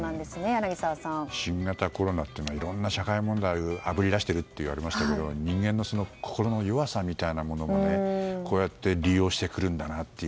柳澤さん新型コロナっていうのはいろんな社会問題をあぶりだしていると言われましたが人間の心の弱さみたいなものをこうやって利用してくるんだなと。